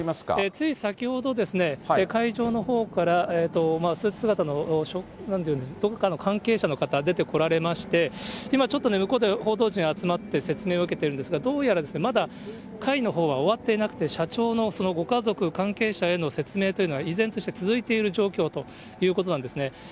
つい先ほど、会場のほうからスーツ姿の、どこかの関係者の方、出てこられまして、今ちょっとね、向こうで報道陣集まって説明を受けてるんですが、どうやら、まだ会のほうは終わっていなくて、社長のご家族、関係者への説明というのが、依然として続いている状況ということなんですね。